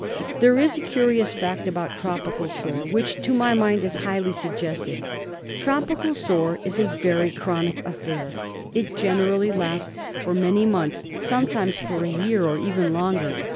There is a curious fact about Tropical Sore which, to my mind, is highly suggestive. Tropical Sore is a very chronic affair; it generally lasts for many months, sometimes for a year, or even longer.